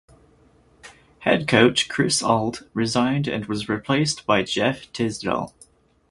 Head coach Chris Ault resigned and was replaced by Jeff Tisdel.